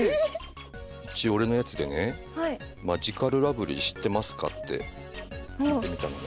一応俺のやつでねマヂカルラブリー知ってますか？って聞いてみたのね。